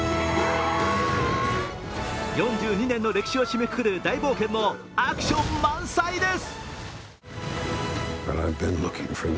４２年の歴史を締めくくる大冒険もアクション満載です。